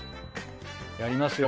やりますよ